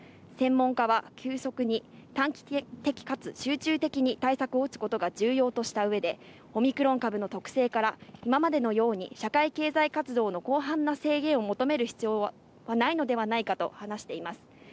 専門家は早急に短期間かつ集中的に対策を打つことが重要とした上で、オミクロン株の特性から今までのように社会経済活動の広範な制限を求める必要はないのではないかと話しています。